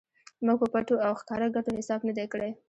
موږ په پټو او ښکاره ګټو حساب نه دی کړی.